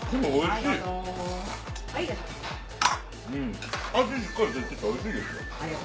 しっかりついてておいしいですよ。